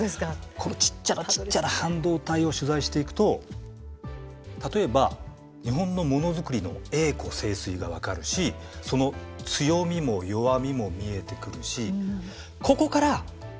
このちっちゃなちっちゃな半導体を取材していくと例えば日本のものづくりの栄枯盛衰が分かるしその強みも弱みも見えてくるし。